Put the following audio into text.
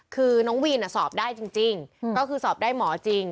คือน้องวีนสอบได้จริงก็คือสอบได้หมอจริง